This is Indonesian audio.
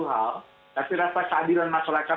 hal tapi rasa keadilan masyarakat